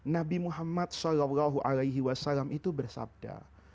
nabi muhammad saw itu bersabda